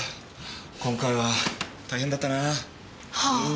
今回は大変だったなぁ。はあ。